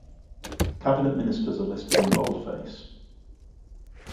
Cabinet ministers are listed in boldface.